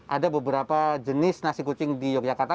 ada beberapa jenis nasi kucing di yogyakarta